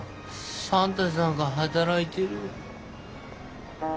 サンタさんが働いてる。